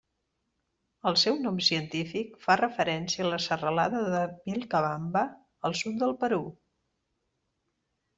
El seu nom científic fa referència a la serralada de Vilcabamba al sud del Perú.